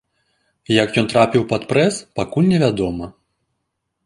Як ён трапіў пад прэс, пакуль невядома.